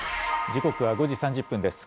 時刻は５時３０分です。